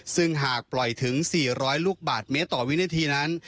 ซึ่งหากปล่อยถึง๔๐๐ลูกบาทเมตรต่อวินาทีนั้น